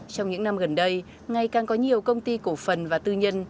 trong những năm gần đây ngày càng có nhiều công ty cổ phần và tư nhân